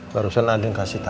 barusan ada yang kasih tahu